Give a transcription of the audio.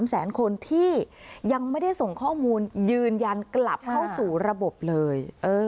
๓แสนคนที่ยังไม่ได้ส่งข้อมูลยืนยันกลับเข้าสู่ระบบเลย